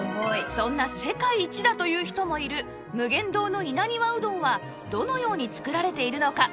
そんな世界一だと言う人もいる無限堂の稲庭うどんはどのように作られているのか？